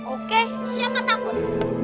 oke siapa takut